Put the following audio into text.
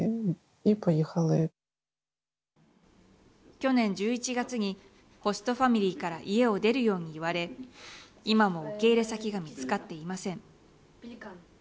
去年１１月にホストファミリーから家を出るように言われ今も受け入れ先が見つかっていません。